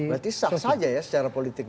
berarti sah sah aja ya secara politik